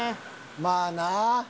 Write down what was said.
まあな。